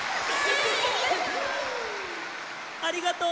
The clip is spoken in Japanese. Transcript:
ありがとう！